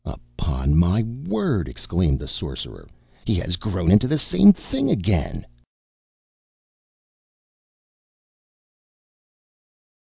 "Upon my word!" exclaimed the Sorcerer, "He has grown into the same thing again!"